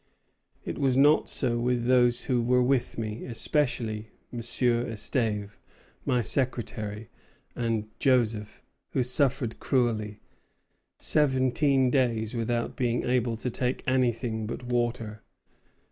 It was not so with those who were with me, especially M. Estève, my secretary, and Joseph, who suffered cruelly, seventeen days without being able to take anything but water.